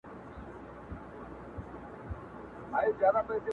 زموږ نور ملي ارزښتونه